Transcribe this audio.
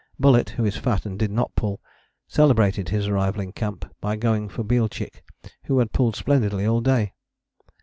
Bullet, who is fat and did not pull, celebrated his arrival in camp by going for Bielchik who had pulled splendidly all day!